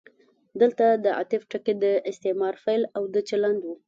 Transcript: دلته د عطف ټکی د استعمار پیل او د چلند و.